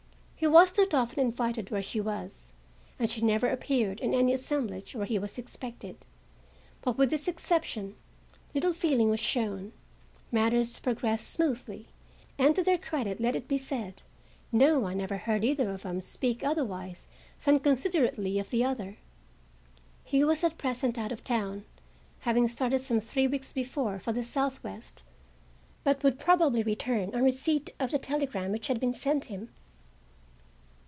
He was not often invited where she was, and she never appeared in any assemblage where he was expected; but with this exception, little feeling was shown; matters progressed smoothly, and to their credit, let it be said, no one ever heard either of them speak otherwise than considerately of the other. He was at present out or town, having started some three weeks before for the southwest, but would probably return on receipt of the telegram which had been sent him.